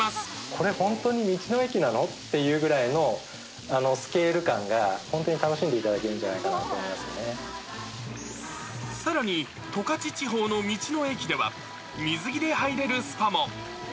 これ、本当に道の駅なの？っていうぐらいのスケール感が、本当に楽しんでいただけるんじゃさらに、十勝地方の道の駅では、水着で入れるスパも。